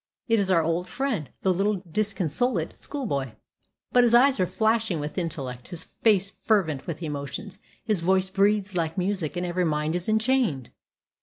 It is our old friend, the little disconsolate schoolboy. But his eyes are flashing with intellect, his face fervent with emotion, his voice breathes like music, and every mind is enchained.